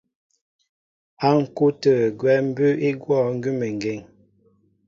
Á ŋ̀kú' tə̂ gwɛ́ mbʉ́ʉ́ í gwɔ̂ gʉ́meŋgeŋ.